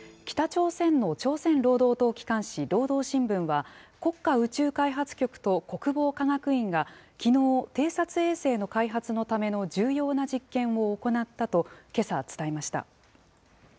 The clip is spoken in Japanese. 北朝鮮の朝鮮労働党機関紙、労働新聞は、国家宇宙開発局と国防科学院がきのう、偵察衛星の開発のための重要な実験を行ったとけさ伝えました。